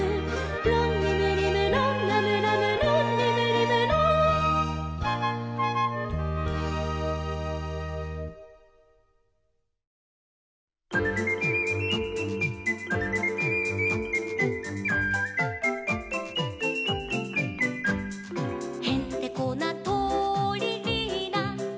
「ロンリムリムロンラムラムロンリムリムロン」「へんてこなとりリーナ」